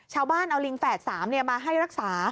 ชาวบ้านเอาลิงแฝด๓มาให้รักษา